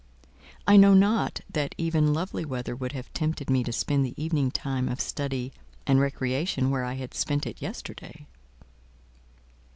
I know not that even lovely weather would have tempted me to spend the evening time of study and recreation where I had spent it yesterday.